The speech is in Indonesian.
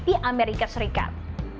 di amerika serikat